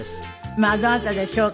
まあどなたでしょうか？